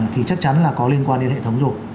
thì chắc chắn là có liên quan đến hệ thống rồi